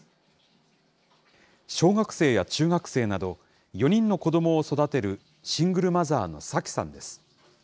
小学生や中学生など、４人の子どもを育てるシングルマザーのサキさんです。